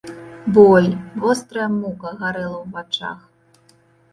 Боль, вострая мука гарэла ў вачах.